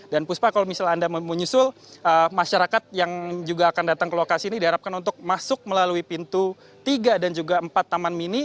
dan puspa kalau misalnya anda menyusul masyarakat yang juga akan datang ke lokasi ini diharapkan untuk masuk melalui pintu tiga dan juga empat taman mini